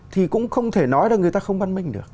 thì cũng không thể nói là người ta không văn minh được